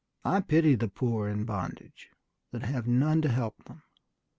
I pity the poor in bondage that have none to help them.